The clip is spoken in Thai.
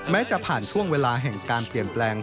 จะผ่านช่วงเวลาแห่งการเปลี่ยนแปลง